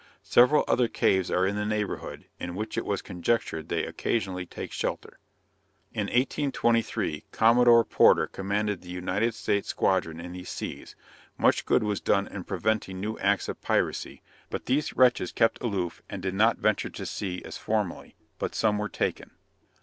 Several other caves are in the neighborhood, in which it was conjectured they occasionally take shelter. In 1823, Commodore Porter commanded the United States squadron in these seas; much good was done in preventing new acts of piracy; but these wretches kept aloof and did not venture to sea as formerly, but some were taken.